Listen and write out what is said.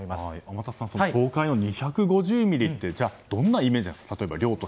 天達さん、東海２５０ミリってどんなイメージですか。